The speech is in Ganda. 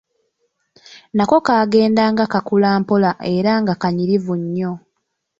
Nako kagendanga kakula mpola era nga kanyirivu nnyo.